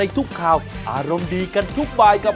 สวัสดีครับ